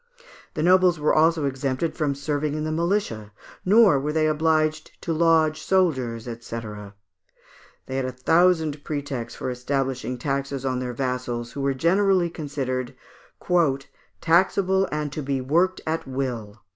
The nobles were also exempted from serving in the militia, nor were they obliged to lodge soldiers, &c. They had a thousand pretexts for establishing taxes on their vassals, who were generally considered "taxable and to be worked at will."